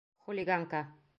Хулиганка!